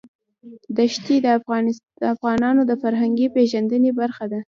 دښتې د افغانانو د فرهنګي پیژندنې برخه ده.